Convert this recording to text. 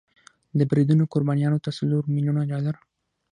د بریدونو قربانیانو ته څلور میلیون ډالر